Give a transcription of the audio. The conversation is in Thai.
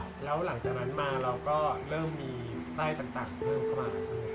แล้วหลังจากนั้นมาเราก็เริ่มมีไส้ต่างเพิ่มเข้ามาใช่ไหม